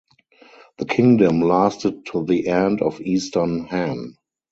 The kingdom lasted to the end of Eastern Han.